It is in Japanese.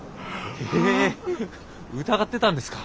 え疑ってたんですか？